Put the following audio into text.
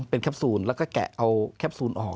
เป็นแคปซูลแล้วก็แกะเอาแคปซูลออก